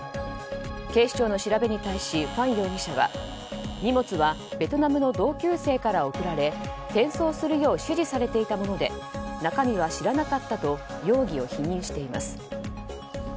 警視庁の調べに対しファン容疑者は荷物はベトナムの同級生から送られ転送するよう指示されていたもので中身は知らなかったと容疑を否認しています。